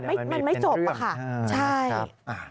มันไม่จบค่ะใช่ครับมันไม่เป็นเครื่อง